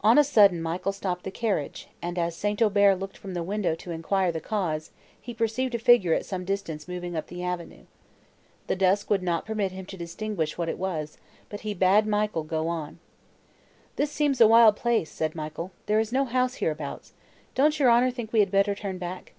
On a sudden Michael stopped the carriage; and, as St. Aubert looked from the window to enquire the cause, he perceived a figure at some distance moving up the avenue. The dusk would not permit him to distinguish what it was, but he bade Michael go on. "This seems a wild place," said Michael; "there is no house hereabout, don't your honour think we had better turn back?"